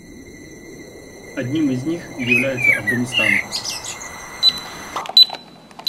Одним из них является Афганистан.